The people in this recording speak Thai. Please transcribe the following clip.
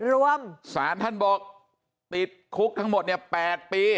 รวมศาลท่านบอกติดคุกทั้งหมดเนี่ย๘ปี